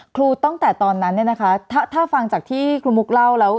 ครูตั้งแต่ตอนนั้นถ้าฟังจากที่คุณมุกเล่าแล้ว